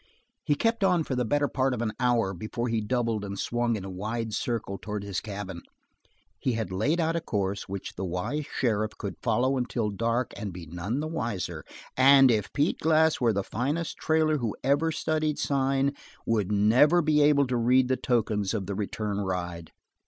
He kept on for the better part of an hour before he doubled and swung in a wide circle towards his cabin. He had laid out a course which the wise sheriff could follow until dark and be none the wiser; and if Pete Glass were the finest trailer who ever studied sign and would never be able to read the tokens of the return ride.